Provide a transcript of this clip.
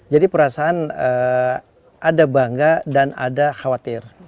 jadi perasaan ada bangga dan ada khawatir